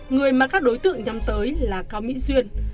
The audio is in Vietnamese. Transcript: người mà các đối tượng nhắm tới là cao mỹ duyên